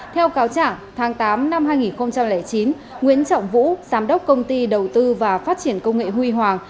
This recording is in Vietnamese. theo cáo trả tháng tám năm hai nghìn chín nguyễn trọng vũ giám đốc công ty đầu tư và phát triển công nghệ huy hoàng